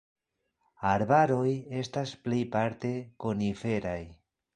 Arbaroj estas plejparte koniferaj.